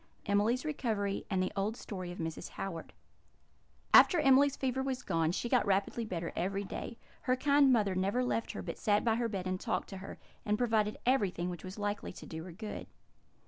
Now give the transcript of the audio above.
Emily's Recovery, and the Old Story of Mrs. Howard [Illustration: "What sound is that I hear?" said Emily] After Emily's fever was gone, she got rapidly better every day. Her kind mother never left her, but sat by her bed and talked to her, and provided everything which was likely to do her good.